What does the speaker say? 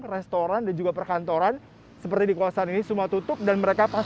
restoran dan juga perkantoran seperti di kawasan ini semua tutup dan mereka pasti